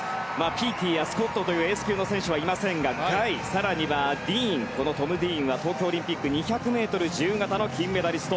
ピーティやスコットというエース級選手はいませんがガイ、そしてこのトム・ディーンは東京オリンピック２００ｍ自由形の金メダリスト。